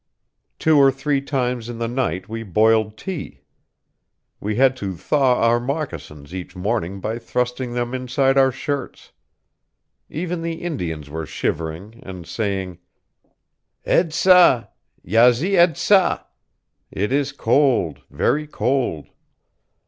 Two or three times in the night we boiled tea. We had to thaw our moccasins each morning by thrusting them inside our shirts. Even the Indians were shivering and saying, 'Ed sa, yazzi ed sa' 'it is cold, very cold.'